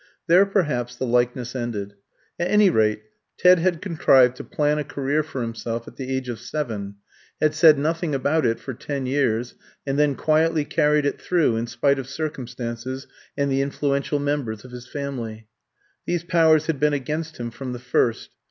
There perhaps the likeness ended. At any rate, Ted had contrived to plan a career for himself at the age of seven, had said nothing about it for ten years, and then quietly carried it through in spite of circumstances and the influential members of his family. These powers had been against him from the first.